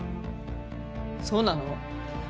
そうなの？